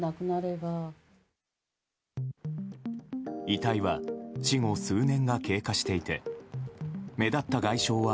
遺体は死後数年が経過していて目立った外傷は